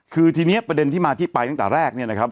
คือทีนี้ประเด็นที่มาที่ไปตั้งแต่แรกเนี่ยนะครับ